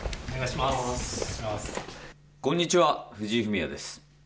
こんにちは藤井フミヤです。